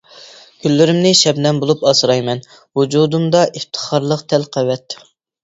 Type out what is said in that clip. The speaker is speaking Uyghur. گۈللىرىمنى شەبنەم بولۇپ ئاسرايمەن، ۋۇجۇدۇمدا ئىپتىخارلىق تەل قەۋەت.